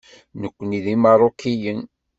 Nekkni d Imeṛṛukiyen.